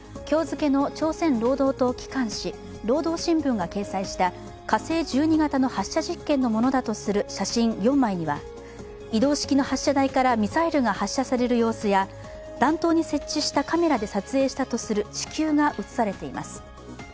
今日付けの朝鮮労働党機関紙「労働新聞」が掲載した火星１２型の発射実験のものだとする写真４枚には移動式の発射台からミサイルが発射される様子や弾頭に設置したカメラで撮影したとされる地球が写されています。